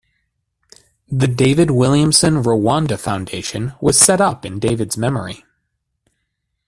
The David Williamson Rwanda Foundation was set up in David's memory.